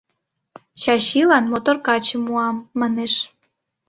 «Чачилан мотор качым муам», манеш...